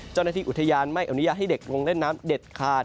เจ้าหน้าที่อุทยานไม่อนุญาตให้เด็กลงเล่นน้ำเด็ดขาด